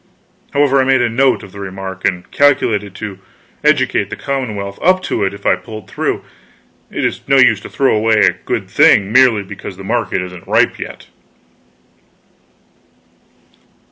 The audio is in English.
However, I made a note of the remark, and calculated to educate the commonwealth up to it if I pulled through. It is no use to throw a good thing away merely because the market isn't ripe yet.